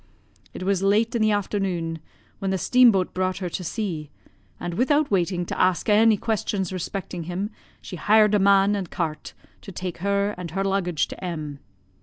It was late in the afternoon when the steam boat brought her to C , and, without waiting to ask any questions respecting him, she hired a man and cart to take her and her luggage to M